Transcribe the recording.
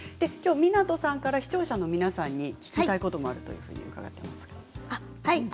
湊さんから視聴者の皆さんに聞きたいこともあるそうですね。